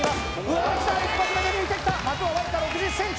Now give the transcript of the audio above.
うわっきた１発目で抜いてきた的はわずか６０ｃｍ